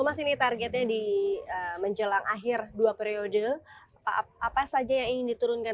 mas ini targetnya di menjelang akhir dua periode apa saja yang ingin diturunkan